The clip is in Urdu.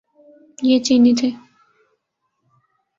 یہ چینی تھے۔